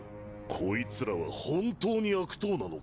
こいつらは本当に悪党なのか？